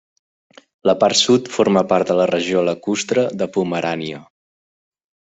La part sud forma part de la regió lacustre de Pomerània.